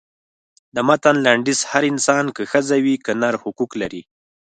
د متن لنډیز هر انسان که ښځه وي که نر حقوق لري.